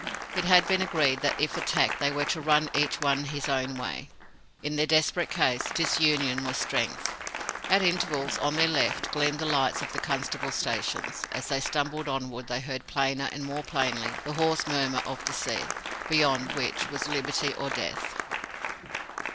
It had been agreed that if attacked they were to run each one his own way. In their desperate case, disunion was strength. At intervals, on their left, gleamed the lights of the constables' stations, and as they stumbled onward they heard plainer and more plainly the hoarse murmur of the sea, beyond which was liberty or death.